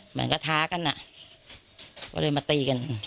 เหมือนก็ท้ากันอ่ะก็เลยมาตีกัน